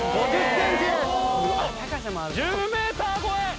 １０ｍ超え！